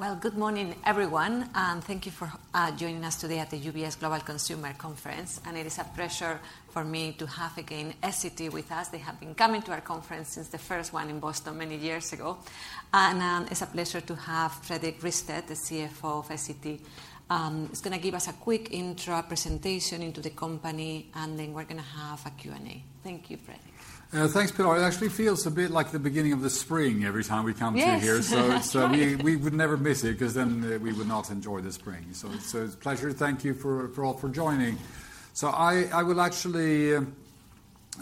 Right. Good morning, everyone, and thank you for joining us today at the UBS Global Consumer Conference. It is a pleasure for me to have again Essity with us. They have been coming to our conference since the first one in Boston many years ago. It is a pleasure to have Fredrik Rystedt, the CFO of Essity. He is going to give us a quick intro, a presentation into the company, and then we are going to have a Q&A. Thank you, Fredrik. Thanks, Pilar. It actually feels a bit like the beginning of the spring every time we come to here. Yes, it does. We would never miss it because then we would not enjoy the spring. It is a pleasure. Thank you for joining. I will actually,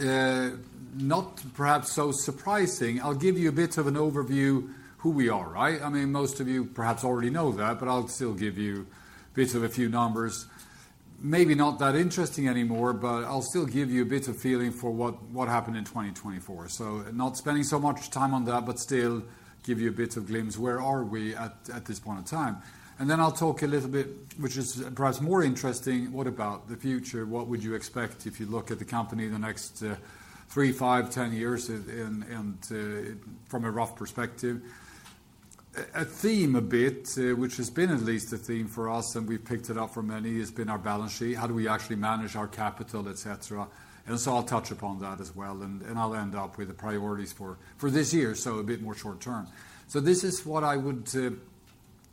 not perhaps so surprising, give you a bit of an overview of who we are, right? I mean, most of you perhaps already know that, but I will still give you a bit of a few numbers. Maybe not that interesting anymore, but I will still give you a bit of feeling for what happened in 2024. Not spending so much time on that, but still give you a bit of glimpse. Where are we at this point in time? I will talk a little bit, which is perhaps more interesting. What about the future? What would you expect if you look at the company in the next three, five, ten years from a rough perspective? A theme a bit, which has been at least a theme for us, and we've picked it up from many, has been our balance sheet. How do we actually manage our capital, et cetera? I'll touch upon that as well. I'll end up with the priorities for this year, so a bit more short term. This is what I would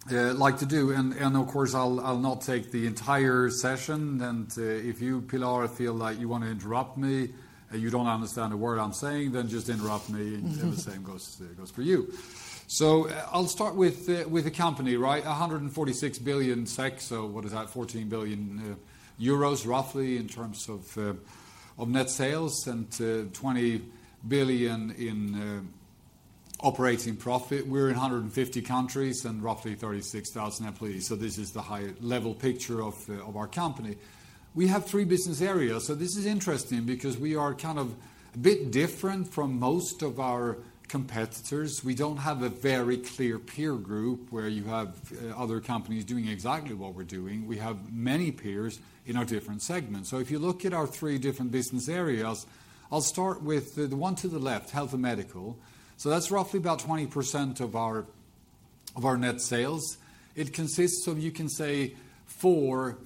like to do. Of course, I'll not take the entire session. If you, Pilar, feel like you want to interrupt me and you don't understand a word I'm saying, then just interrupt me, and the same goes for you. I'll start with the company, right? 146 billion SEK, so what is that? 14 billion euros roughly in terms of net sales and 20 billion in operating profit. We're in 150 countries and roughly 36,000 employees. This is the high-level picture of our company. We have three business areas. This is interesting because we are kind of a bit different from most of our competitors. We do not have a very clear peer group where you have other companies doing exactly what we are doing. We have many peers in our different segments. If you look at our three different business areas, I will start with the one to the left, Health & Medical. That is roughly about 20% of our net sales. It consists of, you can say, four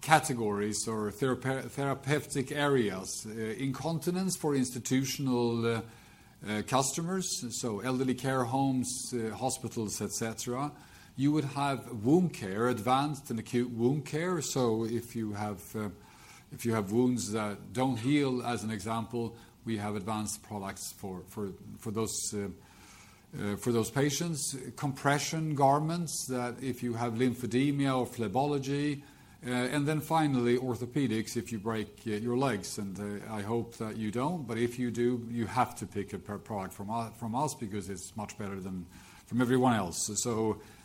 categories or therapeutic areas: incontinence for institutional customers, so elderly care, homes, hospitals, et cetera. You would have wound care, advanced and acute wound care. If you have wounds that do not heal, as an example, we have advanced products for those patients. Compression garments that if you have lymphedema or phlebology. Finally, orthopedics if you break your legs. I hope that you don't, but if you do, you have to pick a product from us because it's much better than from everyone else.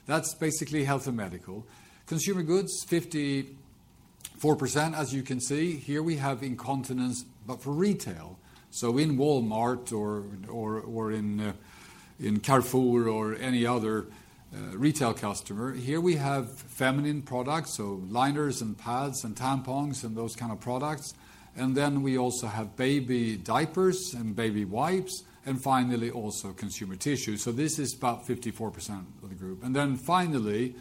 That is basically Health & Medical. Consumer Goods, 54%, as you can see. Here we have incontinence, but for retail. In Walmart or in Carrefour or any other retail customer. Here we have feminine products, so liners and pads and tampons and those kind of products. We also have baby diapers and baby wipes. Finally, also consumer tissue. This is about 54% of the group. Finally,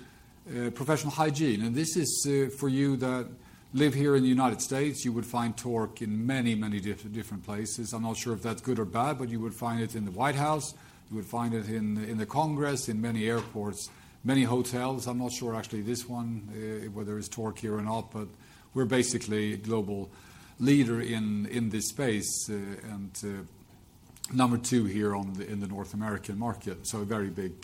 Professional Hygiene. This is for you that live here in the United States. You would find Tork in many, many different places. I'm not sure if that's good or bad, but you would find it in the White House. You would find it in the Congress, in many airports, many hotels. I'm not sure actually this one, whether it's Tork here or not, but we're basically a global leader in this space and number two here in the North American market. A very big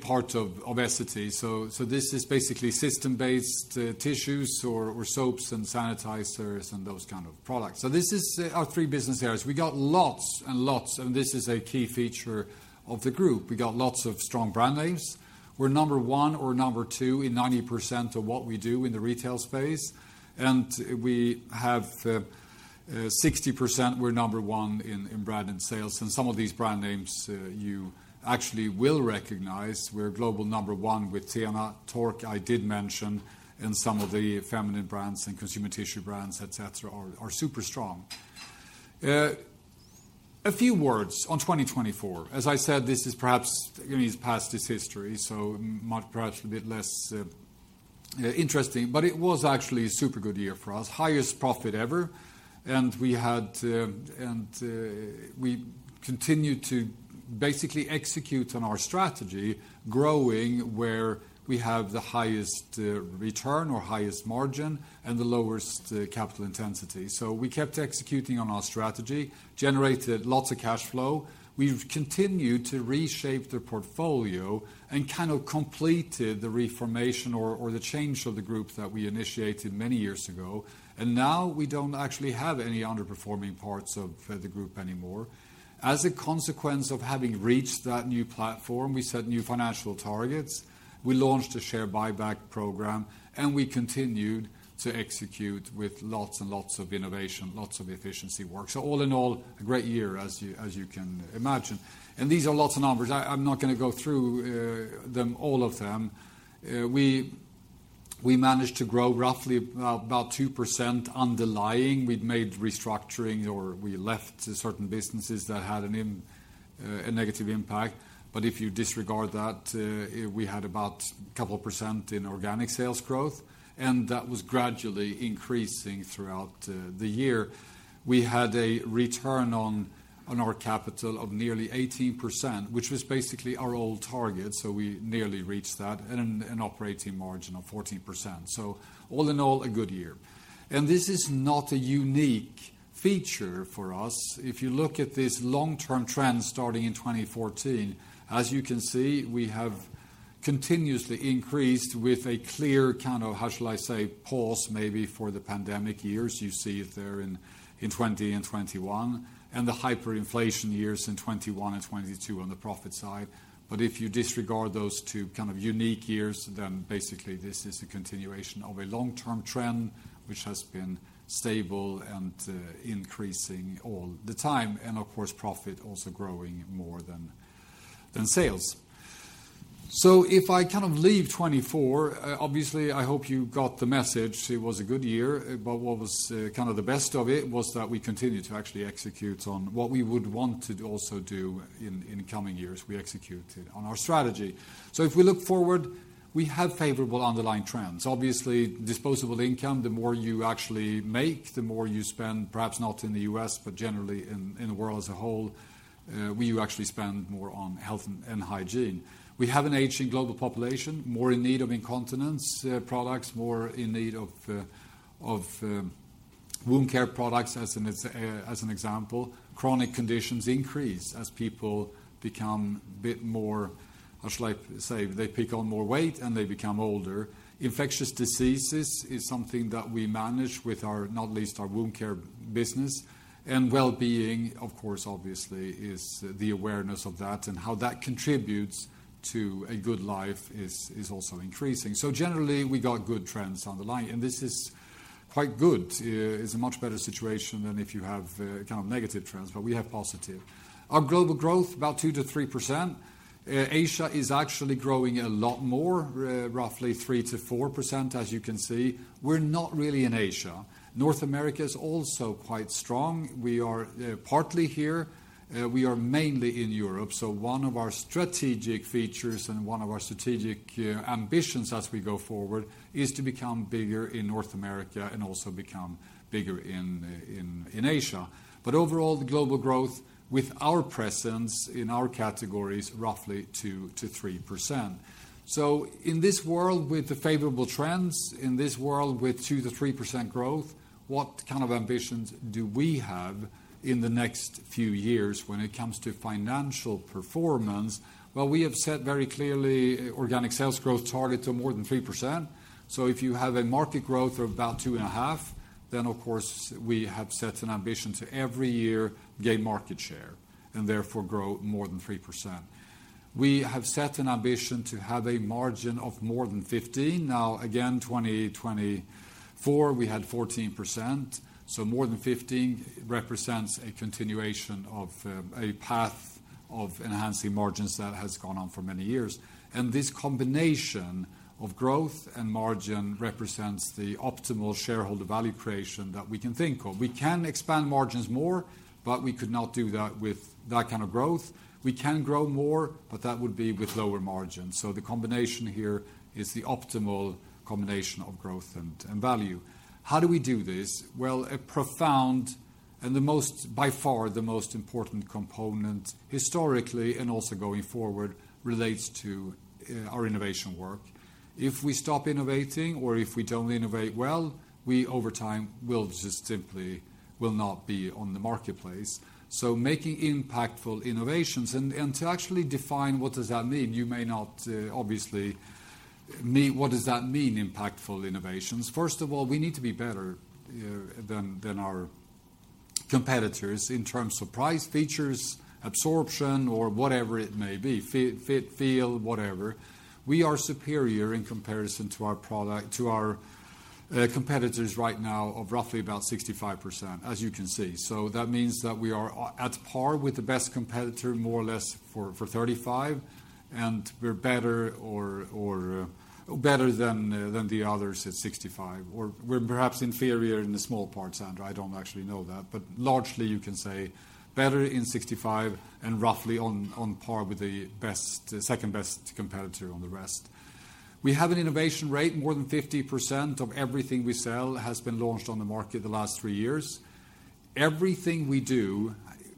part of Essity. This is basically system-based tissues or soaps and sanitizers and those kind of products. These are our three business areas. We got lots and lots, and this is a key feature of the group. We got lots of strong brand names. We're number one or number two in 90% of what we do in the retail space. We have 60%, we're number one in brand and sales. Some of these brand names you actually will recognize. We're global number one with TENA. Tork, I did mention, and some of the feminine brands and consumer tissue brands, et cetera, are super strong. A few words on 2024. As I said, this is perhaps going to pass as history, so perhaps a bit less interesting, but it was actually a super good year for us. Highest profit ever. We continue to basically execute on our strategy, growing where we have the highest return or highest margin and the lowest capital intensity. We kept executing on our strategy, generated lots of cash flow. We have continued to reshape the portfolio and kind of completed the reformation or the change of the group that we initiated many years ago. Now we do not actually have any underperforming parts of the group anymore. As a consequence of having reached that new platform, we set new financial targets. We launched a share buyback program, and we continued to execute with lots and lots of innovation, lots of efficiency work. All in all, a great year, as you can imagine. These are lots of numbers. I'm not going to go through them, all of them. We managed to grow roughly about 2% underlying. We made restructuring or we left certain businesses that had a negative impact. If you disregard that, we had about a couple percent in organic sales growth, and that was gradually increasing throughout the year. We had a return on our capital of nearly 18%, which was basically our old target. We nearly reached that and an operating margin of 14%. All in all, a good year. This is not a unique feature for us. If you look at this long-term trend starting in 2014, as you can see, we have continuously increased with a clear kind of, how shall I say, pause maybe for the pandemic years. You see it there in 2020 and 2021 and the hyperinflation years in 2021 and 2022 on the profit side. If you disregard those two kind of unique years, then basically this is a continuation of a long-term trend, which has been stable and increasing all the time. Of course, profit also growing more than sales. If I kind of leave 2024, obviously I hope you got the message. It was a good year, but what was kind of the best of it was that we continued to actually execute on what we would want to also do in coming years. We executed on our strategy. If we look forward, we have favorable underlying trends. Obviously, disposable income, the more you actually make, the more you spend, perhaps not in the U.S., but generally in the world as a whole, you actually spend more on health and hygiene. We have an aging global population, more in need of incontinence products, more in need of wound care products as an example. Chronic conditions increase as people become a bit more, how should I say, they pick on more weight and they become older. Infectious diseases is something that we manage with our, not least our wound care business. And well-being, of course, obviously is the awareness of that and how that contributes to a good life is also increasing. Generally, we got good trends on the line. This is quite good. It's a much better situation than if you have kind of negative trends, but we have positive. Our global growth, about 2-3%. Asia is actually growing a lot more, roughly 3-4%, as you can see. We're not really in Asia. North America is also quite strong. We are partly here. We are mainly in Europe. One of our strategic features and one of our strategic ambitions as we go forward is to become bigger in North America and also become bigger in Asia. Overall, the global growth with our presence in our category is roughly 2-3%. In this world with the favorable trends, in this world with 2-3% growth, what kind of ambitions do we have in the next few years when it comes to financial performance? We have set very clearly organic sales growth target to more than 3%. If you have a market growth of about 2.5%, then of course we have set an ambition to every year gain market share and therefore grow more than 3%. We have set an ambition to have a margin of more than 15%. Now, again, 2024, we had 14%. More than 15% represents a continuation of a path of enhancing margins that has gone on for many years. This combination of growth and margin represents the optimal shareholder value creation that we can think of. We can expand margins more, but we could not do that with that kind of growth. We can grow more, but that would be with lower margins. The combination here is the optimal combination of growth and value. How do we do this? A profound and by far the most important component historically and also going forward relates to our innovation work. If we stop innovating or if we do not innovate well, we over time will just simply not be on the marketplace. Making impactful innovations and to actually define what does that mean, you may not obviously meet what does that mean impactful innovations. First of all, we need to be better than our competitors in terms of price, features, absorption, or whatever it may be, fit, feel, whatever. We are superior in comparison to our competitors right now of roughly about 65%, as you can see. That means that we are at par with the best competitor, more or less for 35, and we are better than the others at 65. Or we are perhaps inferior in a small part, Sandra. I don't actually know that, but largely you can say better in 65 and roughly on par with the second best competitor on the rest. We have an innovation rate, more than 50% of everything we sell has been launched on the market the last three years. Everything we do,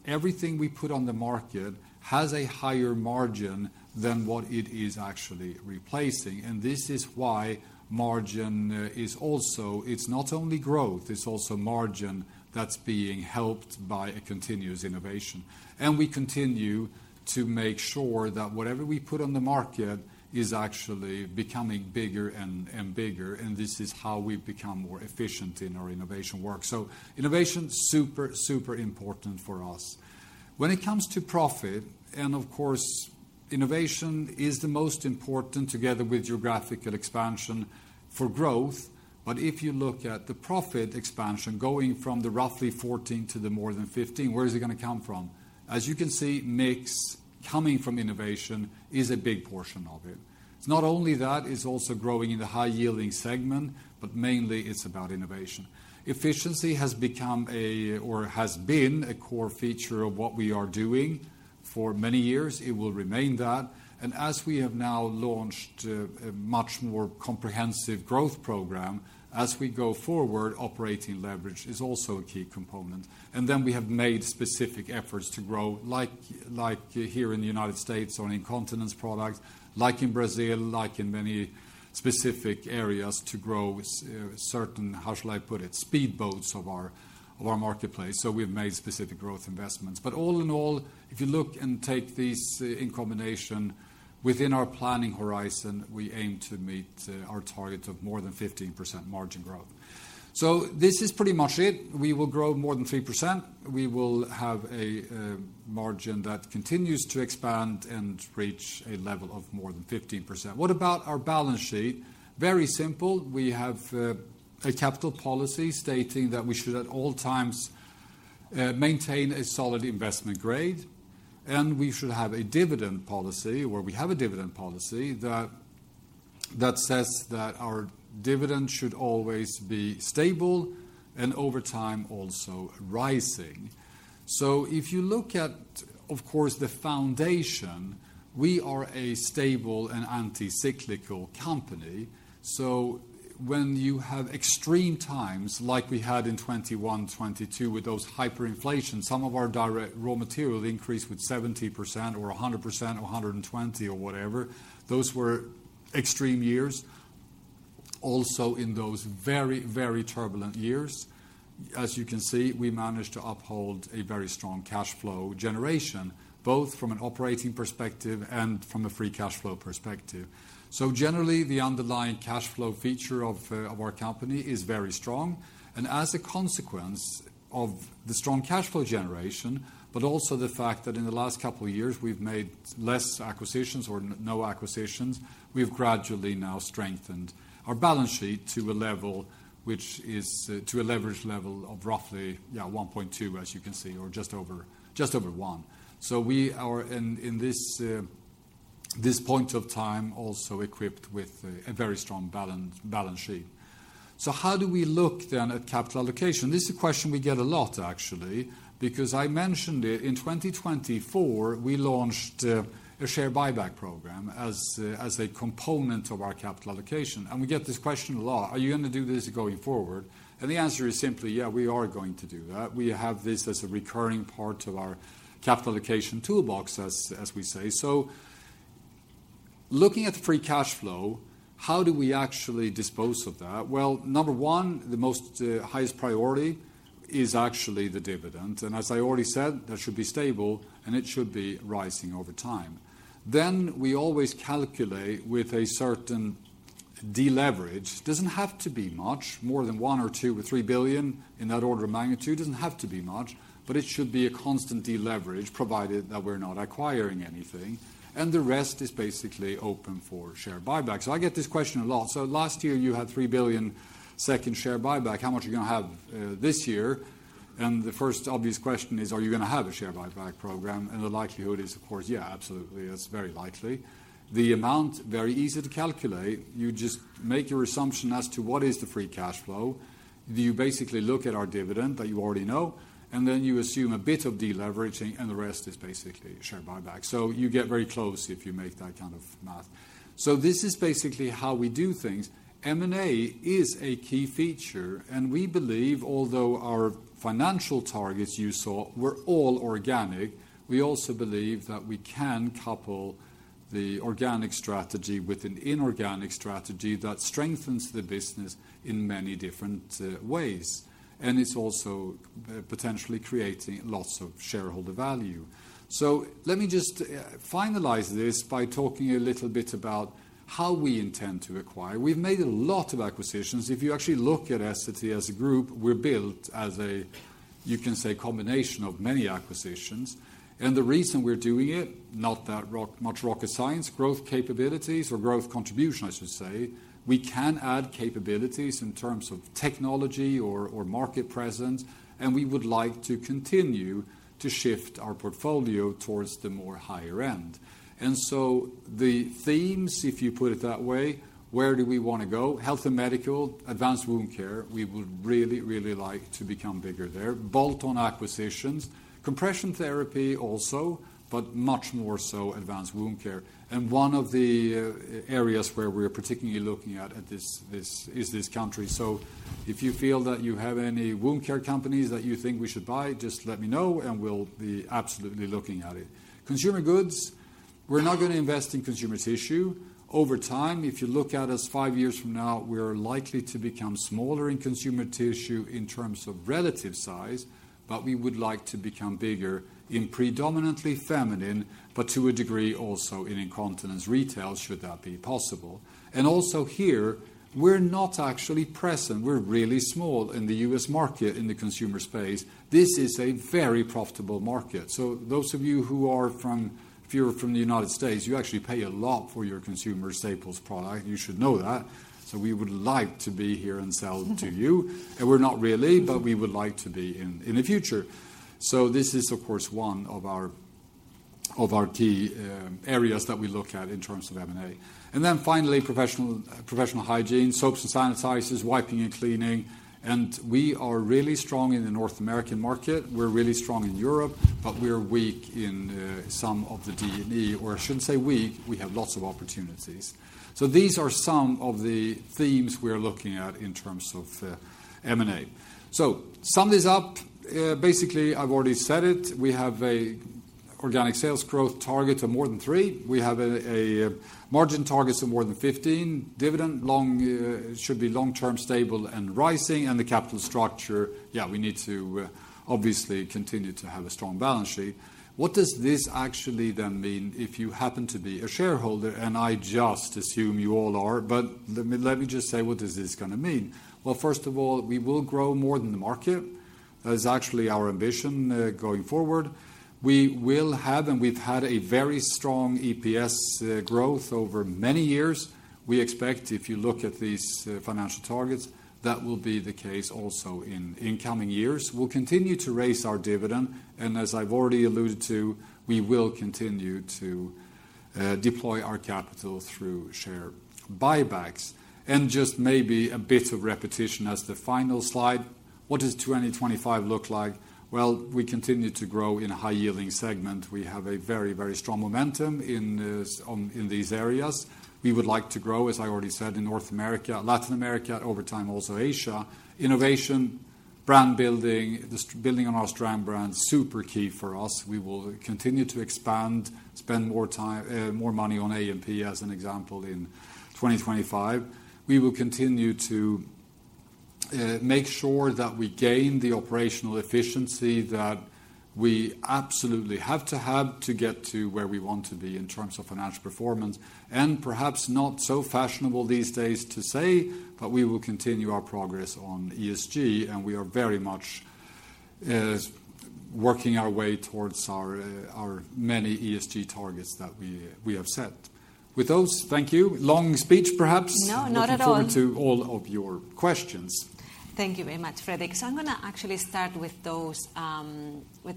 everything we put on the market has a higher margin than what it is actually replacing. This is why margin is also, it's not only growth, it's also margin that's being helped by a continuous innovation. We continue to make sure that whatever we put on the market is actually becoming bigger and bigger. This is how we've become more efficient in our innovation work. Innovation, super, super important for us. When it comes to profit, and of course, innovation is the most important together with geographical expansion for growth. If you look at the profit expansion going from the roughly 14 billion to the more than 15 billion, where is it going to come from? As you can see, mix coming from innovation is a big portion of it. It's not only that, it's also growing in the high-yielding segment, but mainly it's about innovation. Efficiency has become a, or has been a core feature of what we are doing for many years. It will remain that. As we have now launched a much more comprehensive growth program, as we go forward, operating leverage is also a key component. We have made specific efforts to grow like here in the United States on incontinence products, like in Brazil, like in many specific areas to grow certain, how shall I put it, speed boats of our marketplace. We have made specific growth investments. All in all, if you look and take these in combination within our planning horizon, we aim to meet our target of more than 15% margin growth. This is pretty much it. We will grow more than 3%. We will have a margin that continues to expand and reach a level of more than 15%. What about our balance sheet? Very simple. We have a capital policy stating that we should at all times maintain a solid investment grade. We should have a dividend policy where we have a dividend policy that says that our dividend should always be stable and over time also rising. If you look at, of course, the foundation, we are a stable and anti-cyclical company. When you have extreme times like we had in 2021, 2022 with those hyperinflations, some of our direct raw material increased with 70% or 100% or 120% or whatever. Those were extreme years. Also in those very, very turbulent years, as you can see, we managed to uphold a very strong cash flow generation, both from an operating perspective and from a free cash flow perspective. Generally, the underlying cash flow feature of our company is very strong. As a consequence of the strong cash flow generation, but also the fact that in the last couple of years, we've made less acquisitions or no acquisitions, we've gradually now strengthened our balance sheet to a level which is to a leverage level of roughly 1.2, as you can see, or just over one. We are in this point of time also equipped with a very strong balance sheet. How do we look then at capital allocation? This is a question we get a lot, actually, because I mentioned it. In 2024, we launched a share buyback program as a component of our capital allocation. We get this question a lot. Are you going to do this going forward? The answer is simply, yeah, we are going to do that. We have this as a recurring part of our capital allocation toolbox, as we say. Looking at the free cash flow, how do we actually dispose of that? Number one, the most highest priority is actually the dividend. As I already said, that should be stable and it should be rising over time. We always calculate with a certain deleverage. It doesn't have to be much, more than one or two or three billion in that order of magnitude. It doesn't have to be much, but it should be a constant deleverage provided that we're not acquiring anything. The rest is basically open for share buyback. I get this question a lot. Last year you had 3 billion second share buyback. How much are you going to have this year? The first obvious question is, are you going to have a share buyback program? The likelihood is, of course, yeah, absolutely. It's very likely. The amount is very easy to calculate. You just make your assumption as to what is the free cash flow. You basically look at our dividend that you already know, and then you assume a bit of deleveraging, and the rest is basically share buyback. You get very close if you make that kind of math. This is basically how we do things. M&A is a key feature, and we believe although our financial targets you saw were all organic, we also believe that we can couple the organic strategy with an inorganic strategy that strengthens the business in many different ways. It is also potentially creating lots of shareholder value. Let me just finalize this by talking a little bit about how we intend to acquire. We've made a lot of acquisitions. If you actually look at Essity as a group, we're built as a, you can say, combination of many acquisitions. The reason we're doing it, not that much rocket science, growth capabilities or growth contribution, I should say. We can add capabilities in terms of technology or market presence, and we would like to continue to shift our portfolio towards the more higher end. The themes, if you put it that way, where do we want to go? Health & Medical, advanced wound care. We would really, really like to become bigger there. Bolt-on acquisitions, compression therapy also, but much more so advanced wound care. One of the areas where we're particularly looking at is this country. If you feel that you have any wound care companies that you think we should buy, just let me know and we'll be absolutely looking at it. Consumer Goods, we're not going to invest in consumer tissue. Over time, if you look at us five years from now, we're likely to become smaller in consumer tissue in terms of relative size, but we would like to become bigger in predominantly feminine, but to a degree also in incontinence retail should that be possible. Also here, we're not actually present. We're really small in the U.S. market in the consumer space. This is a very profitable market. Those of you who are from, if you're from the United States, you actually pay a lot for your consumer staples product. You should know that. We would like to be here and sell to you. We're not really, but we would like to be in the future. This is, of course, one of our key areas that we look at in terms of M&A. Finally, Professional Hygiene, soaps and sanitizers, wiping and cleaning. We are really strong in the North American market. We're really strong in Europe, but we're weak in some of the D&E, or I shouldn't say weak, we have lots of opportunities. These are some of the themes we're looking at in terms of M&A. To sum this up, basically I've already said it. We have an organic sales growth target of more than 3%. We have a margin target of more than 15%. Dividend should be long-term stable and rising. The capital structure, yeah, we need to obviously continue to have a strong balance sheet. What does this actually then mean if you happen to be a shareholder? I just assume you all are, but let me just say what is this going to mean? First of all, we will grow more than the market. That is actually our ambition going forward. We will have, and we've had a very strong EPS growth over many years. We expect if you look at these financial targets, that will be the case also in incoming years. We will continue to raise our dividend. As I have already alluded to, we will continue to deploy our capital through share buybacks. Just maybe a bit of repetition as the final slide. What does 2025 look like? We continue to grow in a high-yielding segment. We have a very, very strong momentum in these areas. We would like to grow, as I already said, in North America, Latin America, over time also Asia. Innovation, brand building, building on our strong brand, super key for us. We will continue to expand, spend more money on A&P as an example in 2025. We will continue to make sure that we gain the operational efficiency that we absolutely have to have to get to where we want to be in terms of financial performance. Perhaps not so fashionable these days to say, but we will continue our progress on ESG, and we are very much working our way towards our many ESG targets that we have set. With those, thank you. Long speech, perhaps. No, not at all. To all of your questions. Thank you very much, Fredrik. I am going to actually start with the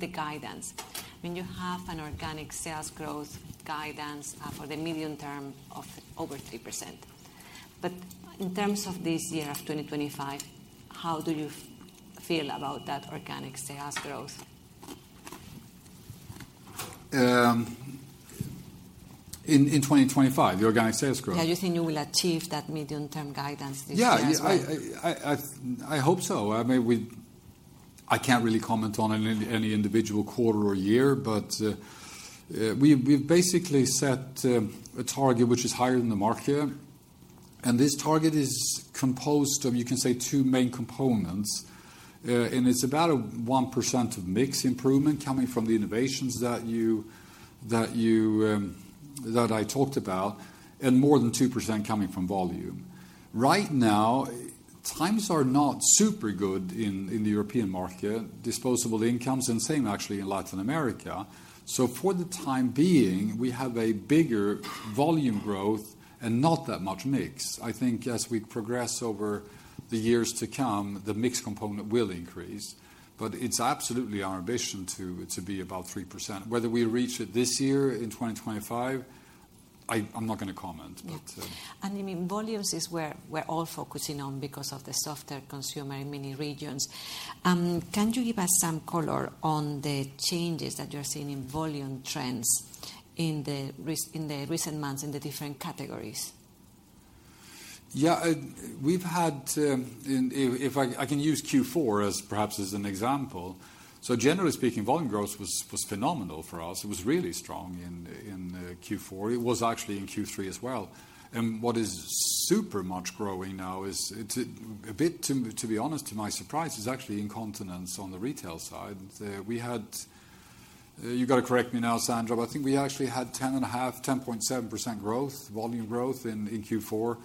guidance. I mean, you have an organic sales growth guidance for the medium term of over 3%. In terms of this year of 2025, how do you feel about that organic sales growth? In 2025, the organic sales growth? Yeah, you think you will achieve that medium-term guidance this year? Yeah, I hope so. I mean, I can't really comment on any individual quarter or year, but we've basically set a target which is higher than the market. This target is composed of, you can say, two main components. It's about 1% of mix improvement coming from the innovations that I talked about and more than 2% coming from volume. Right now, times are not super good in the European market. Disposable income is the same, actually, in Latin America. For the time being, we have a bigger volume growth and not that much mix. I think as we progress over the years to come, the mix component will increase. It's absolutely our ambition to be about 3%. Whether we reach it this year in 2025, I'm not going to comment. I mean, volumes is where we're all focusing on because of the softer consumer in many regions. Can you give us some color on the changes that you're seeing in volume trends in the recent months in the different categories? Yeah, we've had, if I can use Q4 as perhaps as an example. Generally speaking, volume growth was phenomenal for us. It was really strong in Q4. It was actually in Q3 as well. What is super much growing now is a bit, to be honest, to my surprise, is actually incontinence on the retail side. You got to correct me now, Sandra, but I think we actually had 10.7% growth, volume growth in Q4.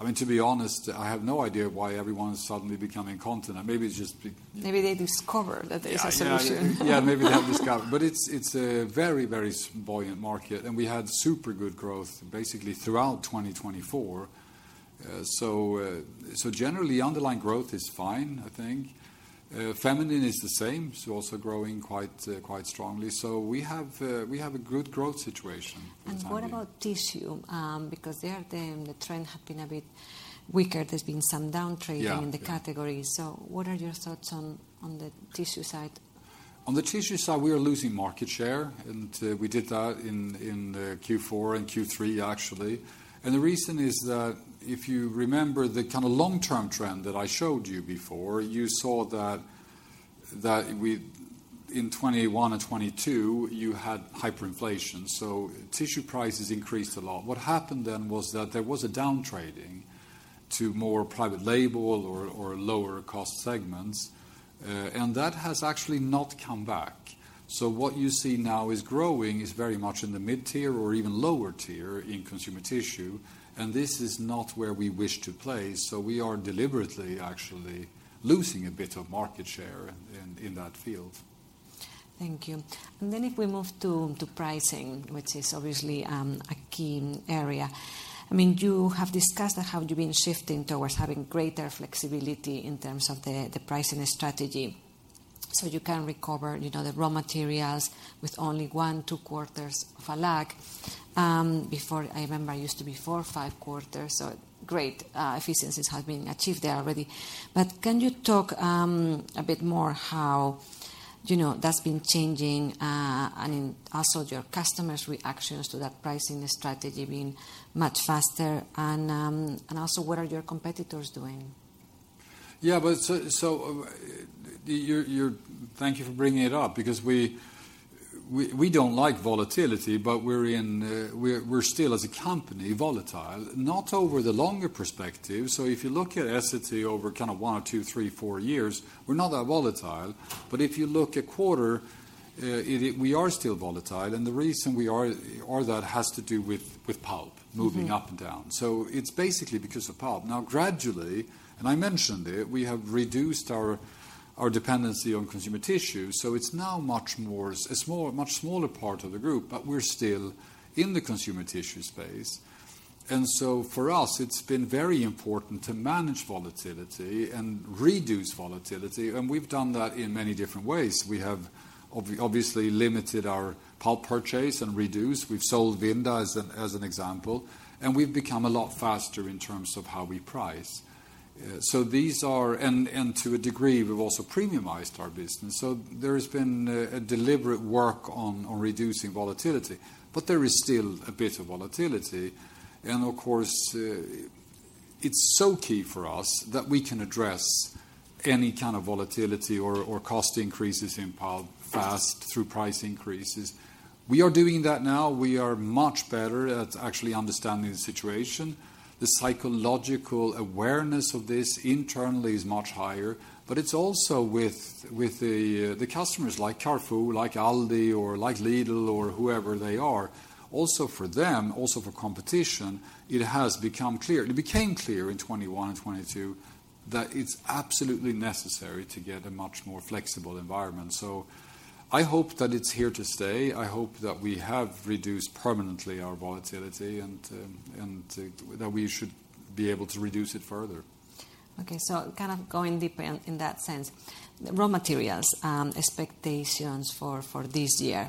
I mean, to be honest, I have no idea why everyone's suddenly becoming incontinent. Maybe it's just. Maybe they discovered that there's a solution. Yeah, maybe they have discovered. It is a very, very volume market. We had super good growth basically throughout 2024. Generally, underlying growth is fine, I think. Feminine is the same, also growing quite strongly. We have a good growth situation. What about tissue? Because there the trend has been a bit weaker. There has been some downtrading in the category. What are your thoughts on the tissue side? On the tissue side, we are losing market share. We did that in Q4 and Q3, actually. The reason is that if you remember the kind of long-term trend that I showed you before, you saw that in 2021 and 2022, you had hyperinflation. Tissue prices increased a lot. What happened then was that there was a downtrading to more private label or lower-cost segments. That has actually not come back. What you see now is growing is very much in the mid-tier or even lower tier in consumer tissue. This is not where we wish to play. We are deliberately actually losing a bit of market share in that field. Thank you. If we move to pricing, which is obviously a key area, I mean, you have discussed how you've been shifting towards having greater flexibility in terms of the pricing strategy. You can recover the raw materials with only one to two quarters of a lag. I remember it used to be four to five quarters. Great efficiencies have been achieved there already. Can you talk a bit more about how that's been changing and also your customers' reactions to that pricing strategy being much faster? Also, what are your competitors doing? Thank you for bringing it up because we do not like volatility, but we are still, as a company, volatile, not over the longer perspective. If you look at Essity over kind of one, two, three, four years, we're not that volatile. If you look at quarter, we are still volatile. The reason we are that has to do with pulp moving up and down. It is basically because of pulp. Now, gradually, and I mentioned it, we have reduced our dependency on consumer tissue. It is now a much smaller part of the group, but we're still in the consumer tissue space. For us, it has been very important to manage volatility and reduce volatility. We have done that in many different ways. We have obviously limited our pulp purchase and reduced. We have sold Vinda as an example. We have become a lot faster in terms of how we price. To a degree, we have also premiumized our business. There has been a deliberate work on reducing volatility. There is still a bit of volatility. Of course, it is so key for us that we can address any kind of volatility or cost increases in pulp fast through price increases. We are doing that now. We are much better at actually understanding the situation. The psychological awareness of this internally is much higher. It is also with the customers like Carrefour, like Aldi, or like Lidl, or whoever they are. Also for them, also for competition, it has become clear. It became clear in 2021 and 2022 that it is absolutely necessary to get a much more flexible environment. I hope that it is here to stay. I hope that we have reduced permanently our volatility and that we should be able to reduce it further. Okay, kind of going deeper in that sense, raw materials expectations for this year.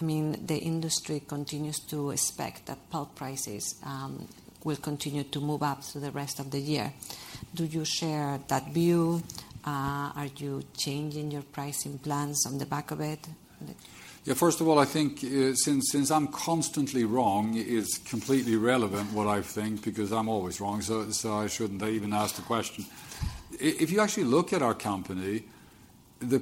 I mean, the industry continues to expect that pulp prices will continue to move up through the rest of the year. Do you share that view? Are you changing your pricing plans on the back of it? Yeah, first of all, I think since I'm constantly wrong, it's completely irrelevant what I think because I'm always wrong. I shouldn't even ask the question. If you actually look at our company, the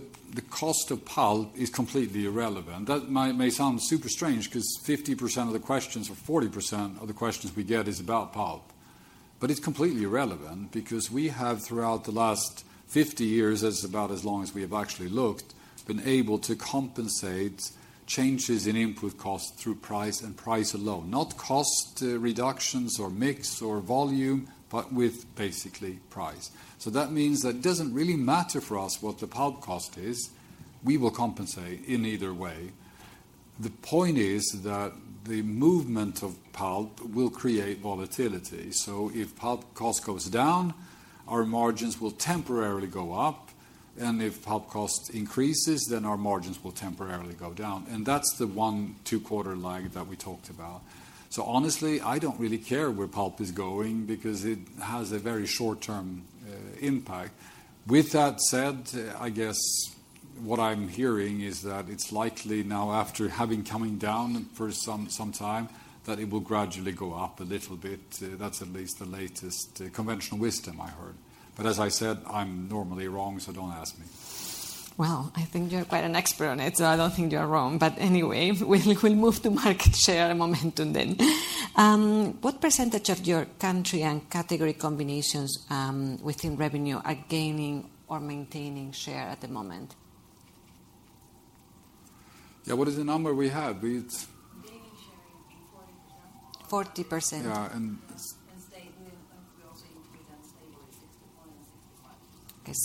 cost of pulp is completely irrelevant. That may sound super strange because 50% of the questions or 40% of the questions we get is about pulp. It's completely irrelevant because we have, throughout the last 50 years, that's about as long as we have actually looked, been able to compensate changes in input costs through price and price alone. Not cost reductions or mix or volume, but with basically price. That means that it does not really matter for us what the pulp cost is. We will compensate in either way. The point is that the movement of pulp will create volatility. If pulp cost goes down, our margins will temporarily go up. If pulp cost increases, then our margins will temporarily go down. That is the one, two quarter lag that we talked about. Honestly, I do not really care where pulp is going because it has a very short-term impact. With that said, I guess what I am hearing is that it is likely now, after having come down for some time, that it will gradually go up a little bit. That is at least the latest conventional wisdom I heard. As I said, I am normally wrong, so do not ask me. I think you're quite an expert on it, so I don't think you're wrong. Anyway, we'll move to market share and momentum then. What percentage of your country and category combinations within revenue are gaining or maintaining share at the moment? Yeah, what is the number we have? Gaining share in 40%. 40%. Yeah, and we also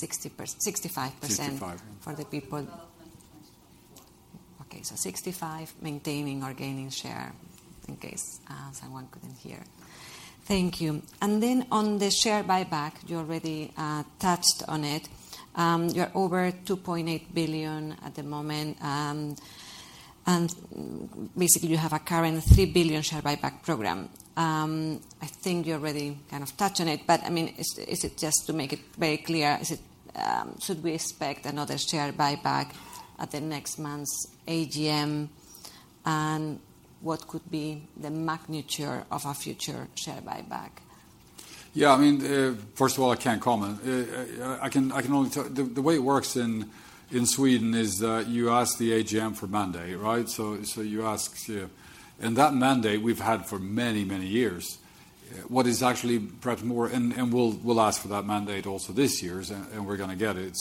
include unstable at 60-65%. Okay, 60%. 65% for the people. Development to 2024. Okay, so 65% maintaining or gaining share in case someone couldn't hear. Thank you. On the share buyback, you already touched on it. You're over 2.8 billion at the moment. Basically, you have a current 3 billion share buyback program. I think you already kind of touched on it. I mean, is it just to make it very clear, should we expect another share buyback at the next month's AGM? What could be the magnitude of a future share buyback? Yeah, I mean, first of all, I can't comment. I can only tell you the way it works in Sweden is that you ask the AGM for mandate, right? You ask. That mandate, we've had for many, many years. What is actually perhaps more, and we'll ask for that mandate also this year, and we're going to get it.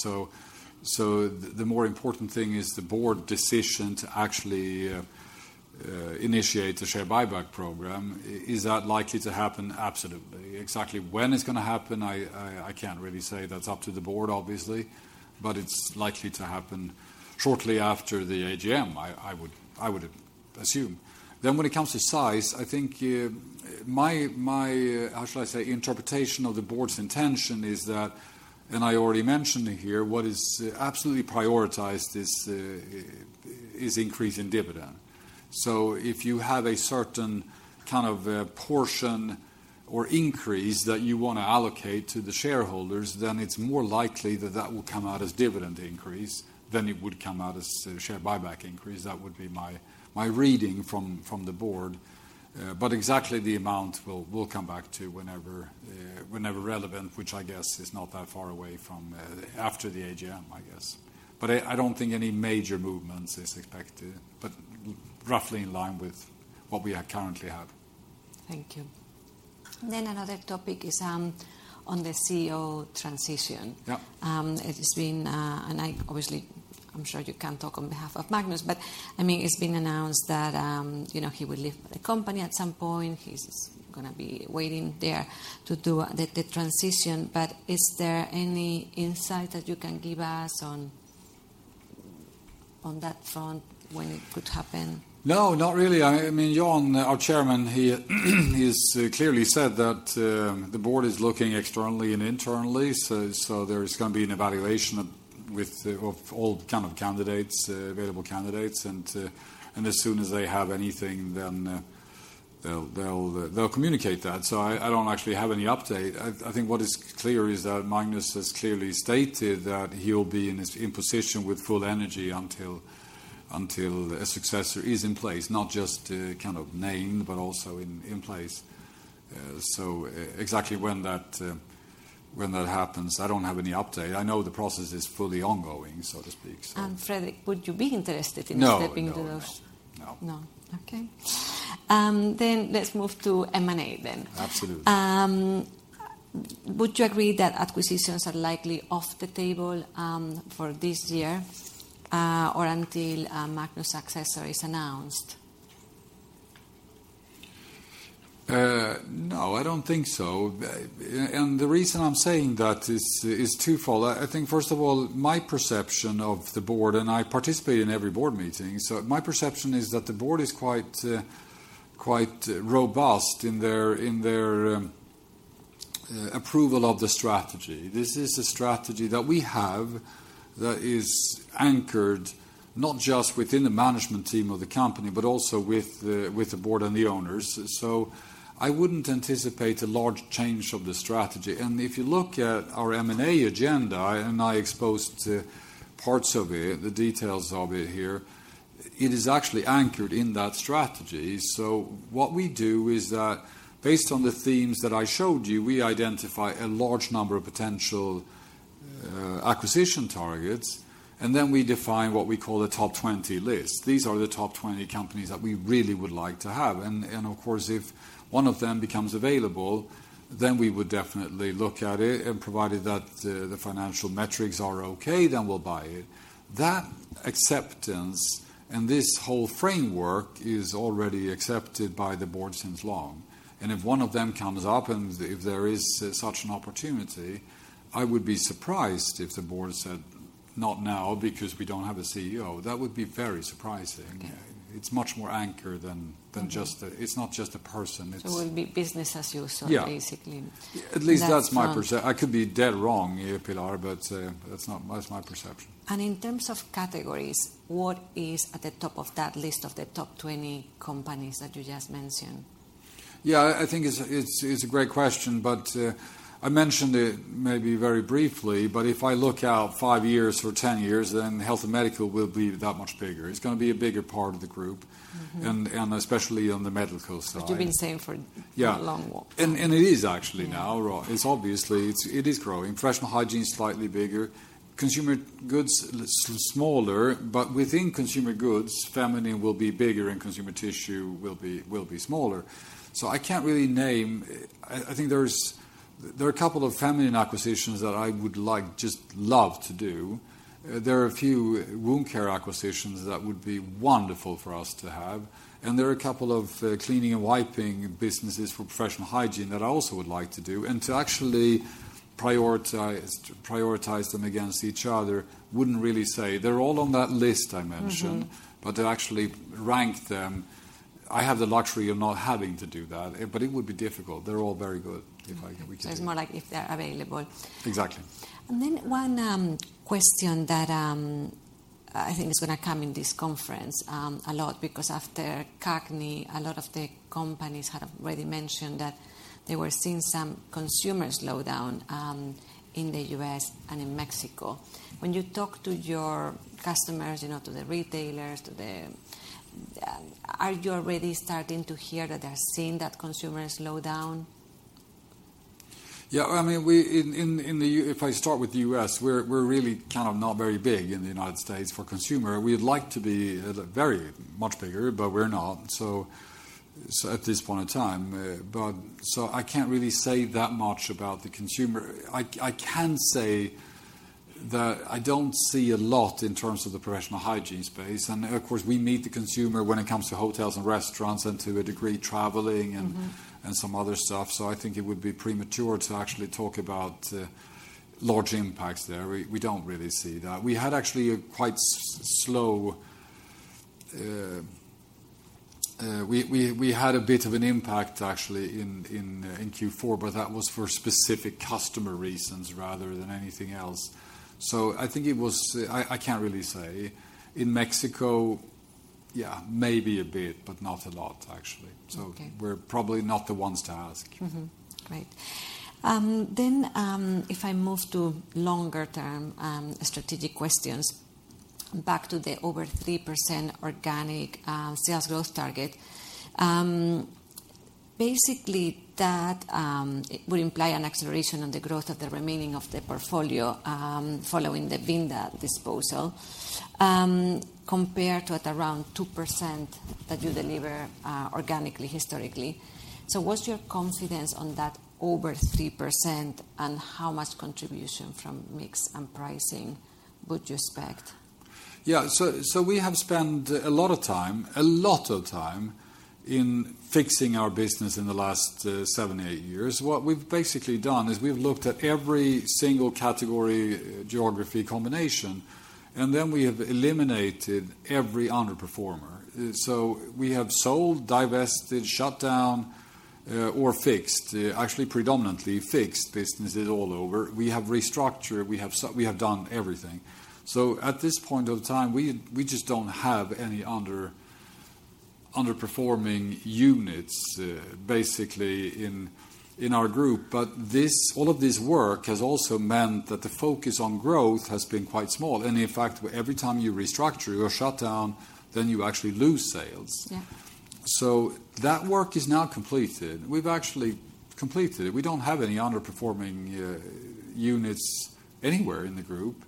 The more important thing is the board decision to actually initiate the share buyback program. Is that likely to happen? Absolutely. Exactly when it's going to happen, I can't really say. That's up to the board, obviously. It's likely to happen shortly after the AGM, I would assume. When it comes to size, I think my, how shall I say, interpretation of the board's intention is that, and I already mentioned here, what is absolutely prioritized is increase in dividend. If you have a certain kind of portion or increase that you want to allocate to the shareholders, then it's more likely that that will come out as dividend increase than it would come out as share buyback increase. That would be my reading from the board. Exactly the amount we'll come back to whenever relevant, which I guess is not that far away from after the AGM, I guess. I don't think any major movements are expected, but roughly in line with what we currently have. Thank you. Another topic is on the CEO transition. It has been, and obviously, I'm sure you can't talk on behalf of Magnus, but I mean, it's been announced that he will leave the company at some point. He's going to be waiting there to do the transition. Is there any insight that you can give us on that front when it could happen? No, not really. I mean, Jan, our Chairman, he has clearly said that the board is looking externally and internally. There is going to be an evaluation of all kinds of candidates, available candidates. As soon as they have anything, they'll communicate that. I don't actually have any update. I think what is clear is that Magnus has clearly stated that he will be in position with full energy until a successor is in place, not just kind of named, but also in place. Exactly when that happens, I don't have any update. I know the process is fully ongoing, so to speak. Fredrik, would you be interested in stepping into those? No. No. No. Okay. Let's move to M&A then. Absolutely. Would you agree that acquisitions are likely off the table for this year or until Magnus' successor is announced? No, I don't think so. The reason I'm saying that is twofold. First of all, my perception of the board, and I participate in every board meeting. My perception is that the board is quite robust in their approval of the strategy. This is a strategy that we have that is anchored not just within the management team of the company, but also with the board and the owners. I wouldn't anticipate a large change of the strategy. If you look at our M&A agenda, and I exposed parts of it, the details of it here, it is actually anchored in that strategy. What we do is that based on the themes that I showed you, we identify a large number of potential acquisition targets, and then we define what we call a top 20 list. These are the top 20 companies that we really would like to have. Of course, if one of them becomes available, then we would definitely look at it and provided that the financial metrics are okay, then we'll buy it. That acceptance and this whole framework is already accepted by the board since long. If one of them comes up and if there is such an opportunity, I would be surprised if the board said, "Not now because we don't have a CEO." That would be very surprising. It's much more anchored than just a, it's not just a person. It would be business as usual, basically. At least that's my perception. I could be dead wrong, Pilar, but that's my perception. In terms of categories, what is at the top of that list of the top 20 companies that you just mentioned? I think it's a great question, but I mentioned it maybe very briefly, but if I look out five years or ten years, then Health & Medical will be that much bigger. It's going to be a bigger part of the group, and especially on the medical side. It's been the same for a long while. It is actually now. Obviously, it is growing. Professional Hygiene is slightly bigger. Consumer Goods are smaller, but within Consumer Goods, feminine will be bigger and consumer tissue will be smaller. I can't really name. I think there are a couple of feminine acquisitions that I would just love to do. There are a few wound care acquisitions that would be wonderful for us to have. There are a couple of cleaning and wiping businesses for Professional Hygiene that I also would like to do. To actually prioritize them against each other, I wouldn't really say they're all on that list I mentioned, but to actually rank them, I have the luxury of not having to do that, but it would be difficult. They're all very good if I can. It's more like if they're available. Exactly. One question that I think is going to come in this conference a lot because after CAGNY, a lot of the companies have already mentioned that they were seeing some consumer slowdown in the U.S. and in Mexico. When you talk to your customers, to the retailers, are you already starting to hear that they're seeing that consumer slowdown? Yeah, I mean, if I start with the U.S., we're really kind of not very big in the United States for consumer. We'd like to be very much bigger, but we're not at this point in time. I can't really say that much about the consumer. I can say that I don't see a lot in terms of the Professional Hygiene space. Of course, we meet the consumer when it comes to hotels and restaurants and to a degree traveling and some other stuff. I think it would be premature to actually talk about large impacts there. We don't really see that. We had actually a quite slow, we had a bit of an impact actually in Q4, but that was for specific customer reasons rather than anything else. I think it was, I can't really say. In Mexico, yeah, maybe a bit, but not a lot, actually. We're probably not the ones to ask. Great. If I move to longer-term strategic questions, back to the over 3% organic sales growth target, basically that would imply an acceleration on the growth of the remaining of the portfolio following the Vinda disposal compared to at around 2% that you deliver organically historically. What's your confidence on that over 3% and how much contribution from mix and pricing would you expect? Yeah, we have spent a lot of time, a lot of time in fixing our business in the last seven, eight years. What we've basically done is we've looked at every single category geography combination, and then we have eliminated every underperformer. We have sold, divested, shut down, or fixed, actually predominantly fixed businesses all over. We have restructured. We have done everything. At this point of time, we just do not have any underperforming units basically in our group. All of this work has also meant that the focus on growth has been quite small. In fact, every time you restructure or shut down, you actually lose sales. That work is now completed. We've actually completed it. We do not have any underperforming units anywhere in the group.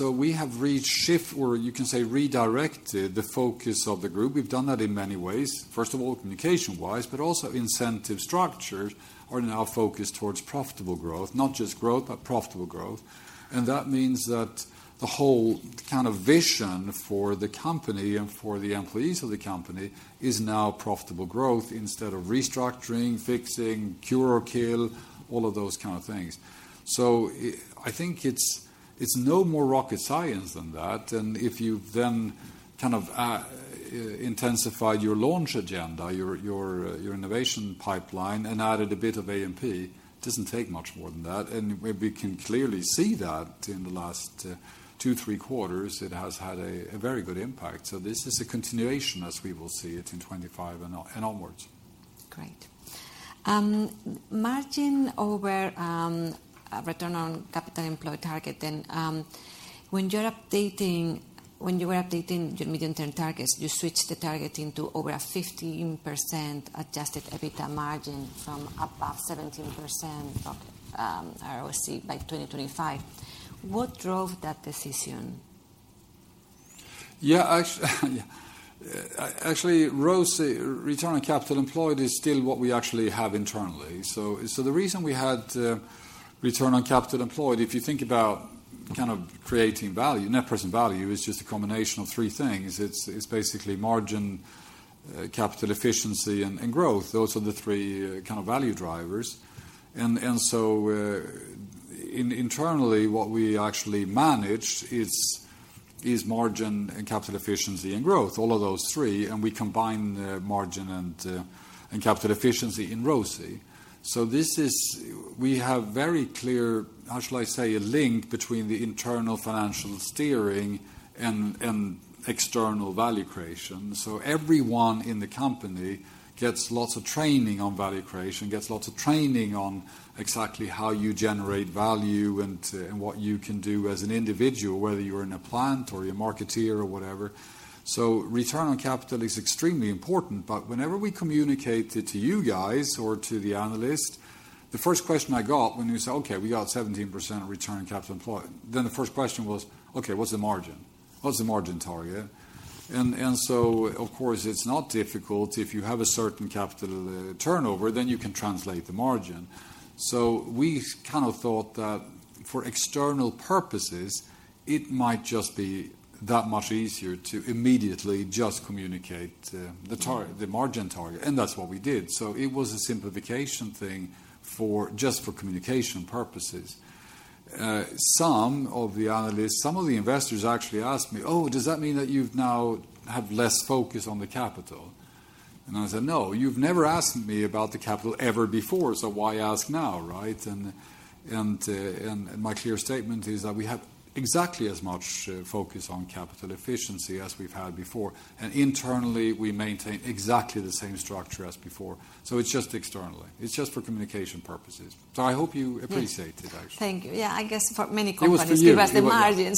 We have shifted, or you can say redirected the focus of the group. We've done that in many ways. First of all, communication-wise, but also incentive structures are now focused towards profitable growth, not just growth, but profitable growth. That means that the whole kind of vision for the company and for the employees of the company is now profitable growth instead of restructuring, fixing, cure or kill, all of those kind of things. I think it's no more rocket science than that. If you've then kind of intensified your launch agenda, your innovation pipeline, and added a bit of A&P, it doesn't take much more than that. We can clearly see that in the last two, three quarters, it has had a very good impact. This is a continuation as we will see it in 2025 and onwards. Great. Margin over return on capital employed target, then when you were updating your medium-term targets, you switched the target into over a 15% adjusted EBITDA margin from above 17% ROC by 2025. What drove that decision? Yeah, actually, return on capital employed is still what we actually have internally. The reason we had return on capital employed, if you think about kind of creating value, net present value is just a combination of three things. It is basically margin, capital efficiency, and growth. Those are the three kind of value drivers. Actually, internally, what we manage is margin and capital efficiency and growth, all of those three. We combine margin and capital efficiency in ROC. We have very clear, how shall I say, a link between the internal financial steering and external value creation. Everyone in the company gets lots of training on value creation, gets lots of training on exactly how you generate value and what you can do as an individual, whether you're in a plant or you're a marketeer or whatever. Return on capital is extremely important. Whenever we communicate it to you guys or to the analyst, the first question I got when you say, "Okay, we got 17% return on capital employed," the first question was, "Okay, what's the margin? What's the margin target?" Of course, it's not difficult. If you have a certain capital turnover, then you can translate the margin. We kind of thought that for external purposes, it might just be that much easier to immediately just communicate the margin target. That's what we did. It was a simplification thing just for communication purposes. Some of the analysts, some of the investors actually asked me, "Oh, does that mean that you've now had less focus on the capital?" I said, "No, you've never asked me about the capital ever before. So why ask now?" Right? My clear statement is that we have exactly as much focus on capital efficiency as we've had before. Internally, we maintain exactly the same structure as before. It's just externally. It's just for communication purposes. I hope you appreciate it, actually. Thank you. Yeah, I guess for many companies, give us the margin.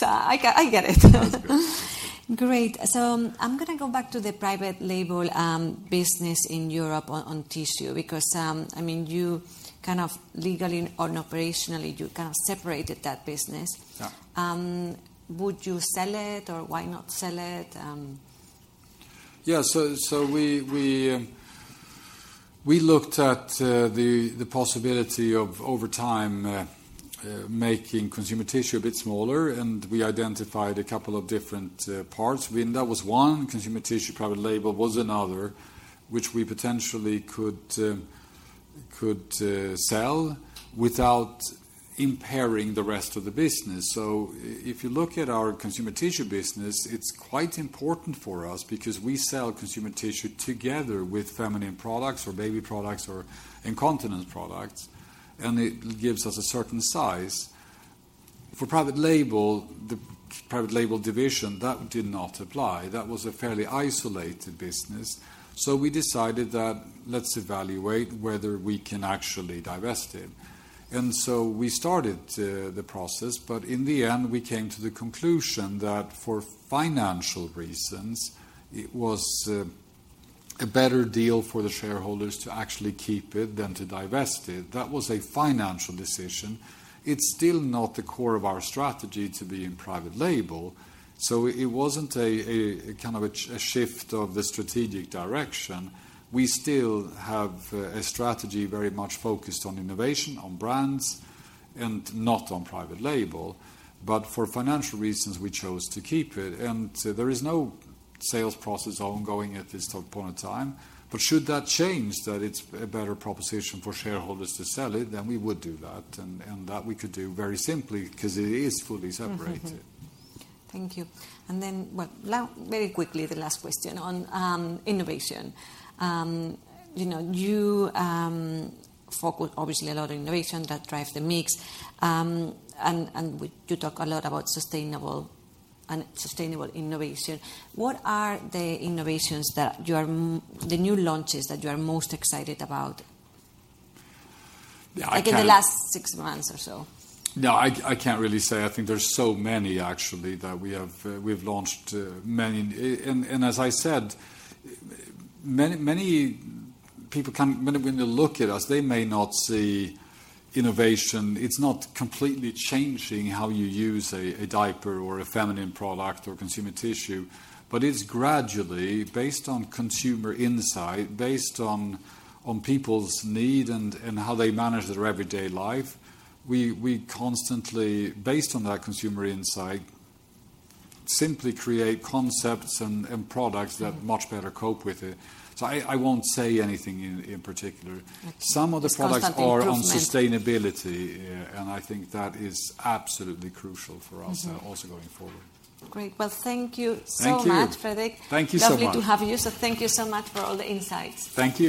I get it. Great. I'm going to go back to the private label business in Europe on tissue because, I mean, you kind of legally and operationally, you kind of separated that business. Would you sell it or why not sell it? Yeah, so we looked at the possibility of over time making consumer tissue a bit smaller, and we identified a couple of different parts. Vinda was one. Consumer tissue private label was another, which we potentially could sell without impairing the rest of the business. If you look at our consumer tissue business, it's quite important for us because we sell consumer tissue together with feminine products or baby products or incontinence products, and it gives us a certain size. For private label, the private label division, that did not apply. That was a fairly isolated business. We decided that let's evaluate whether we can actually divest it. We started the process, but in the end, we came to the conclusion that for financial reasons, it was a better deal for the shareholders to actually keep it than to divest it. That was a financial decision. It's still not the core of our strategy to be in private label. It was not kind of a shift of the strategic direction. We still have a strategy very much focused on innovation, on brands, and not on private label. For financial reasons, we chose to keep it. There is no sales process ongoing at this point of time. Should that change, that it is a better proposition for shareholders to sell it, we would do that. We could do that very simply because it is fully separated. Thank you. Very quickly, the last question on innovation. You focus obviously a lot on innovation that drives the mix. You talk a lot about sustainable innovation. What are the innovations that you are, the new launches that you are most excited about in the last six months or so? No, I can't really say. I think there's so many actually that we have launched many. As I said, many people, when they look at us, they may not see innovation. It's not completely changing how you use a diaper or a feminine product or consumer tissue, but it's gradually, based on consumer insight, based on people's need and how they manage their everyday life, we constantly, based on that consumer insight, simply create concepts and products that much better cope with it. I won't say anything in particular. Some of the products are on sustainability, and I think that is absolutely crucial for us also going forward. Great. Thank you so much, Fredrik. Thank you so much. Lovely to have you. Thank you so much for all the insights. Thank you.